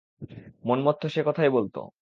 মন্মথ তো সেই কথাই বলত ।